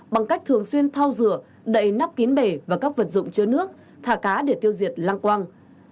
bằng cách thường xuyên thao rửa đậy nắp kín bể và các vật dụng chứa nước thả cá để tiêu diệt lăng quang